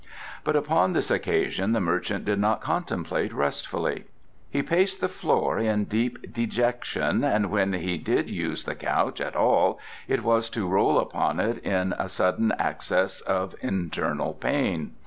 But upon this occasion the merchant did not contemplate restfully. He paced the floor in deep dejection and when he did use the couch at all it was to roll upon it in a sudden access of internal pain.